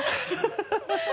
ハハハ